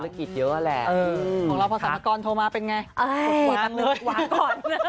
ธุรกิจเยอะแหละเออของเราพอสัมพากรโทรมาเป็นไงเอ้ยหวานเลยหวานก่อน